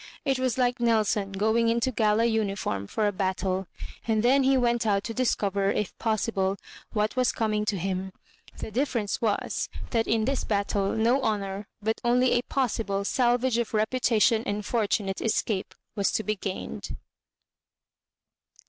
It was like Nelson going into gala uniform for a battle. And then he went out to discover, if possible, what was coming to him. The difference was, that in this battle no honour, but only a possible salvage of reputation and fortunate escape, was to be gained.